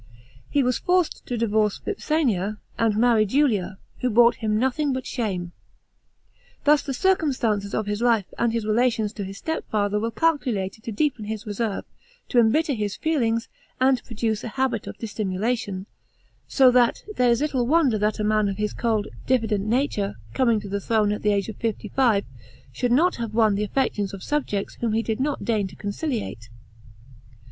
He was forctd to divorce Vipsania and marry Julia, who brought him nothing but shame. Thus the circumstances of his life, and his relations to his stei father were calculated to deepen his reserve, to embitter his feelings, and produce a ha'it of dissimulation ; so that there is little wonder that a man of his cold, diffident nature, coming to the throne at the age of fifty five, should not have won the affections of subjects whom he did not deign to conciliate.